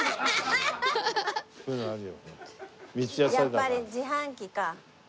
やっぱり自販機か。